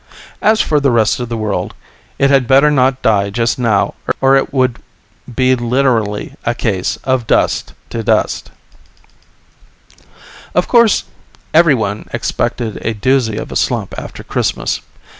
As for the rest of the world, it had better not die just now or it would be literally a case of dust to dust. Of course everyone expected a doozy of a slump after Christmas.